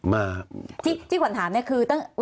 มาที่ขวัญถามเนี่ยคือตั้ง